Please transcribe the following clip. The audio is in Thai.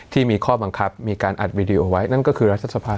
ที่มีข้อบังคับมีการอัดวีดีโอไว้นั่นก็คือรัฐสภา